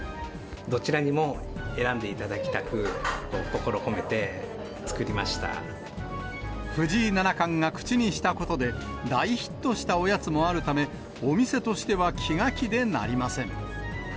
どちらにも選んでいただきた藤井七冠が口にしたことで、大ヒットしたおやつもあるため、お店としては気が気でなりません。